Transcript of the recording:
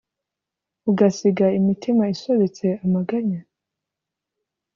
ugasiga imitima isobetse amaganya?